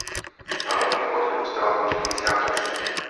Hlavní vchod do kostela tvoří nízká předsíň.